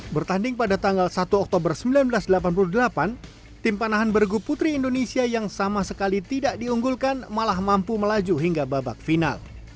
bertanding pada tanggal satu oktober seribu sembilan ratus delapan puluh delapan tim panahan bergu putri indonesia yang sama sekali tidak diunggulkan malah mampu melaju hingga babak final